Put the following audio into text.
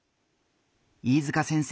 飯塚先生